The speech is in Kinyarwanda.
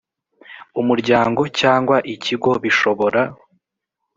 umuryango cyangwa ikigo bishobora